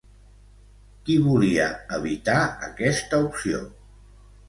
Qui volia evitar aquesta opció?